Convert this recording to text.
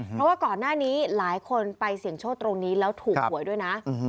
เพราะว่าก่อนหน้านี้หลายคนไปเสี่ยงโชคตรงนี้แล้วถูกหวยด้วยนะ